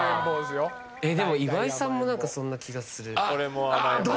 岩井さんもそんな気がする。